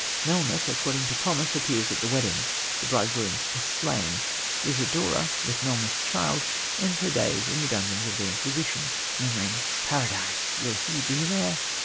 Melmoth, according to promise, appears at the wedding. The bridegroom is slain. Isidora, with Melmoth's child, ends her days in the dungeons of the Inquisition, murmuring: "Paradise! will he be there?"